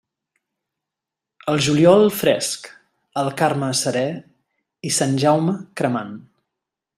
El juliol fresc, el Carme serè i Sant Jaume cremant.